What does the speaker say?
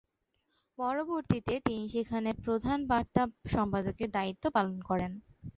পরবর্তীতে তিনি সেখানে প্রধান বার্তা সম্পাদকের দায়িত্ব পালন করেন।